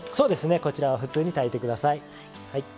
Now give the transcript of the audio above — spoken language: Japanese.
こちらを普通に炊いてください。